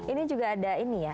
ini juga ada ini ya